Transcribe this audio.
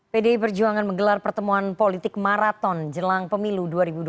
pdi perjuangan menggelar pertemuan politik maraton jelang pemilu dua ribu dua puluh